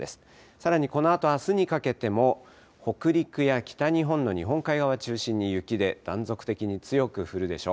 さらにこのあと、あすにかけても北陸や北日本の日本海側を中心に雪で断続的に強く降るでしょう。